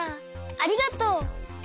ありがとう。